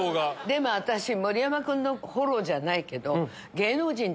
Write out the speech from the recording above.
でも私盛山君のフォローじゃないけど。